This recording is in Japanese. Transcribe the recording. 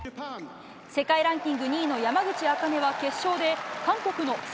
世界ランキング２位の山口茜は決勝で韓国の